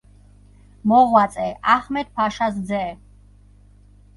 მოღვაწე, აჰმედ-ფაშას ძე.